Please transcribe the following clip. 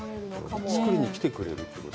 作りに来てくれるってこと？